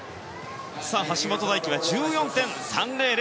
橋本大輝は１４．３００。